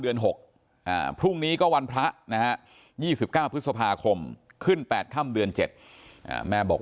เดือน๖พรุ่งนี้ก็วันพระนะฮะ๒๙พฤษภาคมขึ้น๘ค่ำเดือน๗แม่บอก